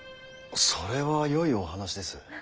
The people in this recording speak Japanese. それはよいお話です。